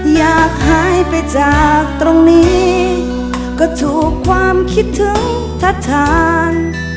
อยากหายไปจากตรงนี้ก็ถูกความคิดถึงทัศทาง